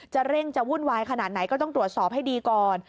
เร่งจะวุ่นวายขนาดไหนก็ต้องตรวจสอบให้ดีก่อน